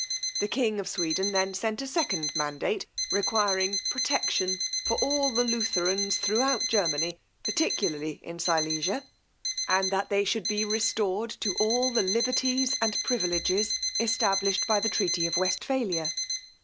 The king of Sweden then sent a second mandate, requiring protection for all the Lutherans throughout Germany, particularly in Silesia, and that they should be restored to all the liberties and privileges established by the treaty of Westphalia.